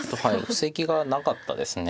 布石がなかったです。